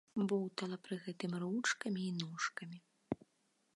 Боўтала пры гэтым ручкамі і ножкамі.